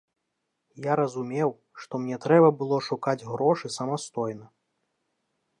Я разумеў, што мне трэба было шукаць грошы самастойна.